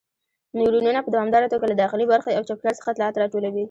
نیورونونه په دوامداره توګه له داخلي برخې او چاپیریال څخه اطلاعات راټولوي.